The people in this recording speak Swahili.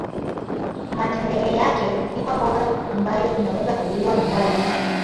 Matembele yake hupikwa mboga ambayo inaweza kuliwa na wali